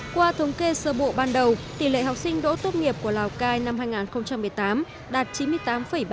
qua thống kê sơ bộ ban đầu tỷ lệ học sinh đỗ tốt nghiệp của lào cai năm hai nghìn một mươi tám đạt chín mươi tám ba mươi tám